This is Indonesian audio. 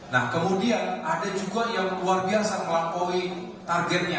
nah kemudian ada juga yang luar biasa melampaui targetnya